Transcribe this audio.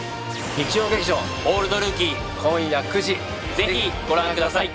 日曜劇場「オールドルーキー」今夜９時ぜひご覧ください